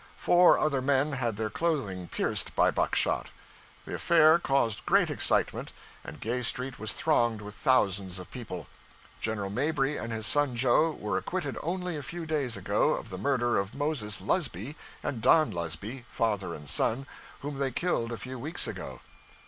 Four other men had their clothing pierced by buckshot. The affair caused great excitement, and Gay Street was thronged with thousands of people. General Mabry and his son Joe were acquitted only a few days ago of the murder of Moses Lusby and Don Lusby, father and son, whom they killed a few weeks ago.